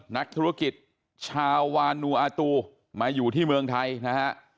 นักธุรกิจชาววานูอาตูมาอยู่ที่เมืองไทยนะฮะ